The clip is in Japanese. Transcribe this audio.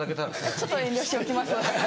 ちょっと遠慮しておきます。